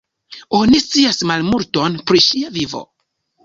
Oni scias malmulton pri ŝia vivo.